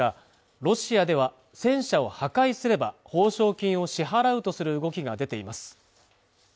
ロシアでは戦車を破壊すれば報奨金を支払うとする動きが出ています